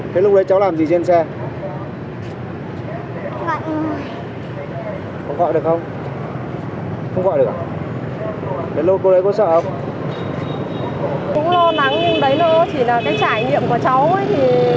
cũng lo nắng nhưng đấy nó chỉ là cái trải nghiệm của cháu ấy